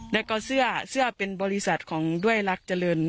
แล้วก็เสื้อเสื้อเป็นบริษัทของด้วยรักเจริญ